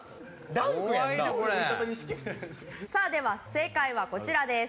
さあでは正解はこちらです。